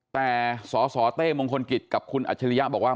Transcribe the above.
แต่สสเต้มงคลกิจกับคุณอัจฉริยะบอกว่า